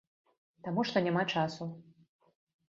Таму што няма часу.